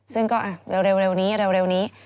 ซึ่งก็เร็วนี้เร็วนี้